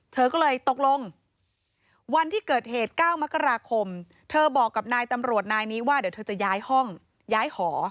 เธอก็เลยตกลงวันที่เกิดเหตุ๙มกราคมเธอบอกกับนายตำรวจนายนี้ว่าเดี๋ยวเธอจะย้ายห้องย้ายหอ